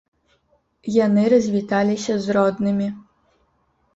Яны развіталіся з роднымі.